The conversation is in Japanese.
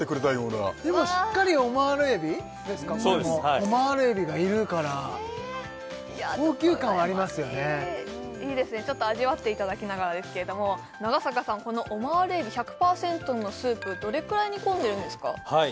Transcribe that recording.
オマール海老がいるから高級感はありますよねいいですねちょっと味わっていただきながらですけれども長坂さんこのオマール海老１００％のスープどれくらい煮込んでるんですか？